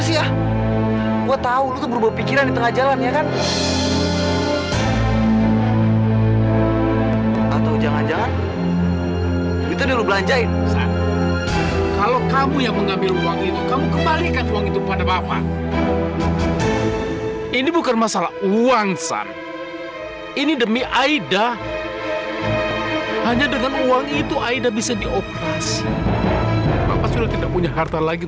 sampai jumpa di video selanjutnya